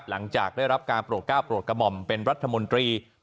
หลังจากได้รับการโปรดก้าวโปรดกระหม่อมเป็นรัฐมนตรี